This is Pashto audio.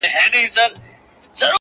دا چي د سونډو د خـندا لـه دره ولـويــږي”